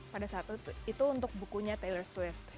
pada saat itu untuk bukunya taylor swift